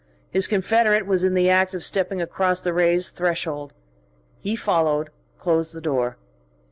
His confederate was in the act of stepping across the raised threshold. He followed, closed the door.